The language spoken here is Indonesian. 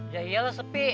ya iyalah sepi